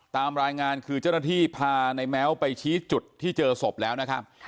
ตามรายงานคือเจ้าหน้าที่พาในแม้วไปชี้จุดที่เจอศพแล้วนะครับ